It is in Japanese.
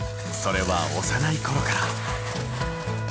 それは幼い頃から。